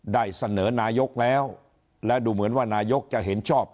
ได้เสนอนายกแล้วและดูเหมือนว่านายกจะเห็นชอบ